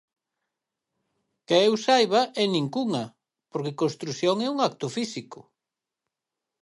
Que eu saiba, en ningunha, porque construción é un acto físico.